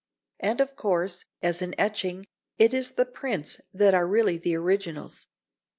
And of course, as in etching, it is the prints that are really the originals.